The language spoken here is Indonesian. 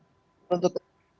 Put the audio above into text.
untuk terhubung dengan peran putri